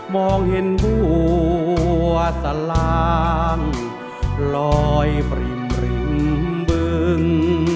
มองเห็นบัวสลางลอยปริ่มริมบึง